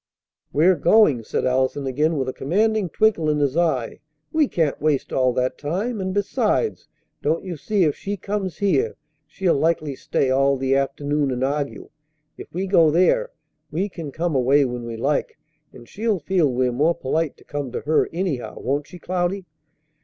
"We're going!" said Allison, again with a commanding twinkle in his eye. "We can't waste all that time; and, besides, don't you see if she comes here, she'll likely stay all the afternoon and argue? If we go there, we can come away when we like; and she'll feel we're more polite to come to her, anyhow, won't she, Cloudy?"